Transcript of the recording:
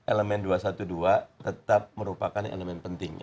elemen dua ratus dua belas tetap merupakan elemen penting